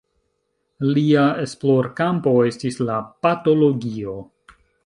Lia esplorkampo estis la patologio.